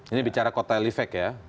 ini bicara kota livek ya